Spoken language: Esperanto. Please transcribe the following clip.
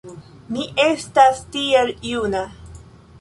Mi estas tiel juna!